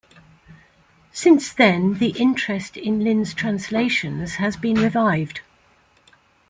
Since then the interest in Lin's translations has been revived.